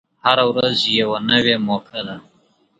هره ورځ یوه نوی موقع ده.